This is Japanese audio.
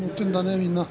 みんな。